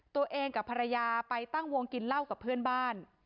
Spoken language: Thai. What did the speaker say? ตัวเองกับภรรยาไปตั้งวงกินเหล้ากับเพื่อนบ้าน